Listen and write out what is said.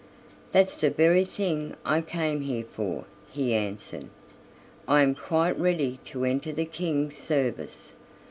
"That's the very thing I came here for," he answered; "I am quite ready to enter the King's service."